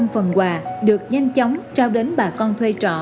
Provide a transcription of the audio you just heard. năm trăm linh phần quà được nhanh chóng trao đến bà con thuê trọ